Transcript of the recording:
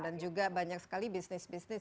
dan juga banyak sekali bisnis bisnis